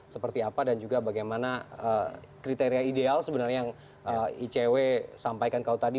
seperti apa dan juga bagaimana kriteria ideal sebenarnya yang icw sampaikan kalau tadi